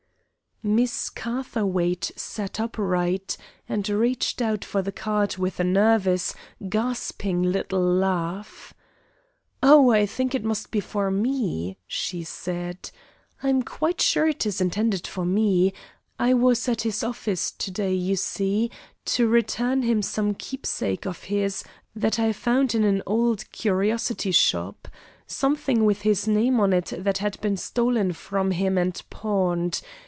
Miss Catherwaight sat upright, and reached out for the card with a nervous, gasping little laugh. "Oh, I think it must be for me," she said; "I'm quite sure it is intended for me. I was at his office to day, you see, to return him some keepsake of his that I found in an old curiosity shop. Something with his name on it that had been stolen from him and pawned.